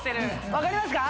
分かりますか？